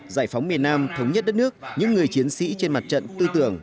giải phóng miền nam thống nhất đất nước những người chiến sĩ trên mặt trận tư tưởng